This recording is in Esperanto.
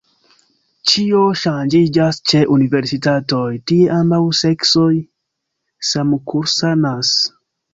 Ĉio ŝanĝiĝas ĉe universitatoj: tie ambaŭ seksoj samkursanas.